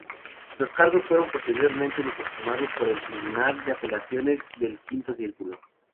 Los cargos fueron posteriormente desestimados por el Tribunal de Apelaciones del Quinto Circuito.